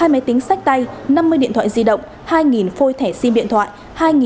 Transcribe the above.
hai máy tính sách tay năm mươi điện thoại di động hai phôi thẻ sim điện thoại